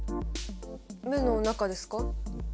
目の中ですか？